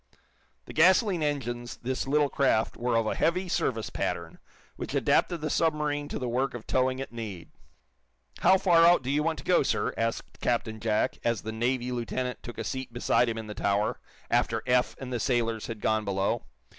The gasoline engines this little craft were of a "heavy service" pattern, which adapted the submarine to the work of towing at need. "How far out do you want to go, sir!" asked Captain Jack, as the Navy lieutenant took a seat beside him in the tower, after Eph and the sailors had gone below.